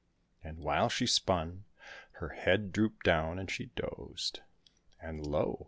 " And while she spun, her head drooped down and she dozed. And, lo